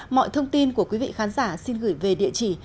mọi thông tin của quý vị khán giả xin gửi về địa chỉ